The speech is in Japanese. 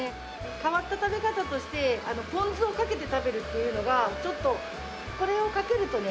変わった食べ方としてポン酢をかけて食べるっていうのがちょっとこれをかけるとね